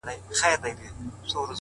پاچهي د ځناورو وه په غرو کي٫